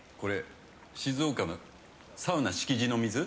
静岡のサウナしきじの水？